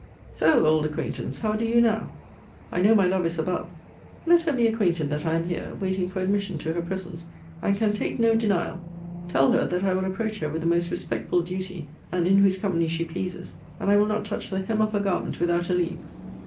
So, old acquaintance, how do you now? I know my love is above. Let her be acquainted that I am here, waiting for admission to her presence, and can take no denial. Tell her, that I will approach her with the most respectful duty, and in whose company she pleases; and I will not touch the hem of her garment, without her leave.